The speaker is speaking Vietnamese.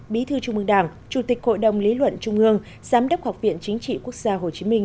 bí thư trung mương đảng chủ tịch hội đồng lý luận trung ương giám đốc học viện chính trị quốc gia hồ chí minh